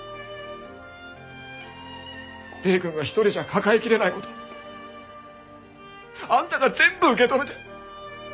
礼くんが一人じゃ抱えきれない事あんたが全部受け止めて。